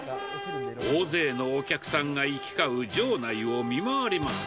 大勢のお客さんが行き交う場内を見回ります。